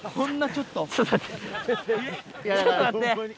ちょっと待って。